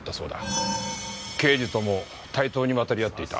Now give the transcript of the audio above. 刑事とも対等に渡り合っていた。